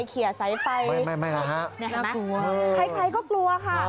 ใครก็กลัวค่ะ